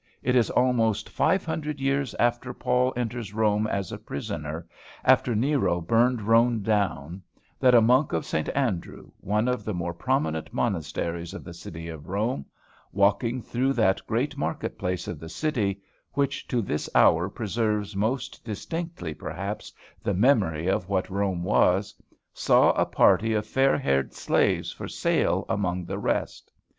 It is almost five hundred years after Paul enters Rome as a prisoner, after Nero burned Rome down, that a monk of St. Andrew, one of the more prominent monasteries of the city of Rome, walking through that great market place of the city which to this hour preserves most distinctly, perhaps, the memory of what Rome was saw a party of fair haired slaves for sale among the rest.